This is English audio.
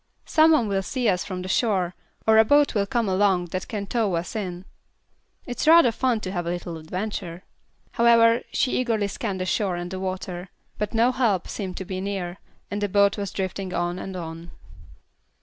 Some one will see us from the shore, or a boat will come along that can tow us in. It's rather fun to have a little adventure." However, she eagerly scanned the shore and the water; but no help seemed to be near, and the boat was drifting on and on.